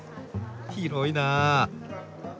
広いなあ。